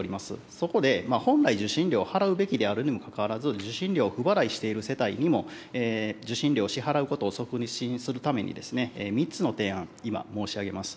そこで、本来受信料を払うべきであるにもかかわらず、受信料を不払いしている世帯にも、受信料を支払うことを促進するために３つの提案、今、申し上げます。